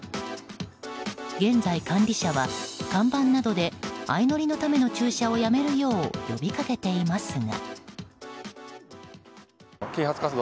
現在、管理者は看板などで相乗りのための駐車をやめるよう呼びかけていますが。